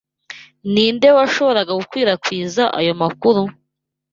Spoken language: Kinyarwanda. Ninde washoboraga gukwirakwiza ayo makuru?